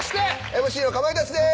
ＭＣのかまいたちです。